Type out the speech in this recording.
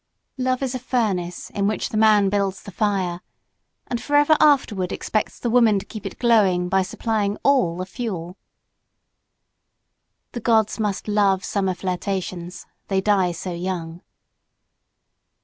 Love is a furnace in which the man builds the fire, and forever afterward expects the woman to keep it glowing, by supplying all the fuel. The gods must love summer flirtations they die so young.